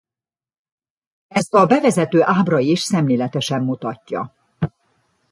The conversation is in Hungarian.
Ezt a bevezető ábra is szemléletesen mutatja.